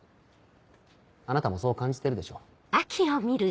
あなたもそう感じてるでしょ。